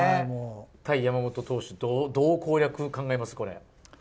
対山本投手、どう攻略、考えます、これ。